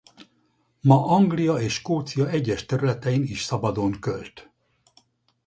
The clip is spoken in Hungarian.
Ma Anglia és Skócia egyes területein is szabadon költ.